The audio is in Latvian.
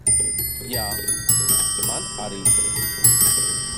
Jā, man arī.